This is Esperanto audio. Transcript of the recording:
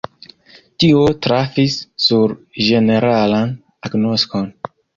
Tio trafis sur ĝeneralan agnoskon.